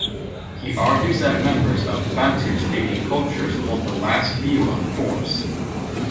He argues that members of Bantu-speaking cultures hold the last view of force.